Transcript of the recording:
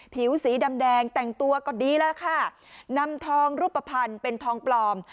ผิวสีดำแดงแต่งตัวก็ดีแล้วค่ะนำทองรูปภัณฑ์เป็นทองปลอม